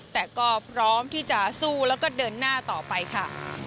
แต่ก็พร้อมที่จะสู้แล้วก็เดินหน้าต่อไปค่ะ